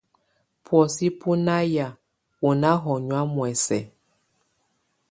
Buosɛ́ bú na yáá ú ná hɔnyɔ̀á muɛsɛ.